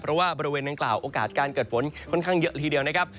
เพราะว่าบริเวณดังกล่าวโอกาสการเกิดฝนค่อนข้างเยอะละทีเดียวนะครับ